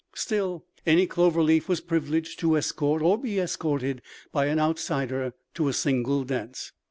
Still, any Clover Leaf was privileged to escort or be escorted by an outsider to a single dance.